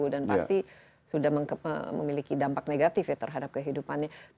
dan pasti sudah memiliki dampak negatif ya terhadap kehidupannya